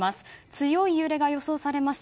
強い揺れが予想されます。